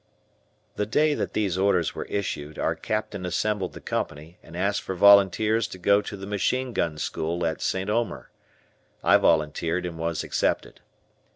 The day that these orders were issued, our Captain assembled the company and asked for volunteers to go to the Machine Gun School at St. Omer. I volunteered and was accepted.